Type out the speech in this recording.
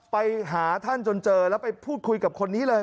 ไปหาท่านจนเจอแล้วไปพูดคุยกับคนนี้เลย